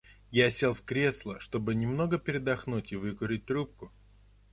Я сел в кресло, чтобы немного передохнуть и выкурить трубку.